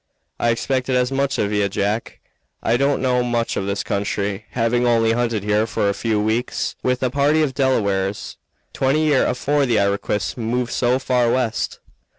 "I expected as much of ye, Jack. I don't know much of this country, having only hunted here for a few weeks with a party of Delawares twenty year afore the Iroquois moved so far west."